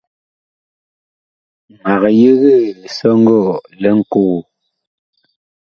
Mag yegee lisɔŋgɔɔ li Ŋkogo.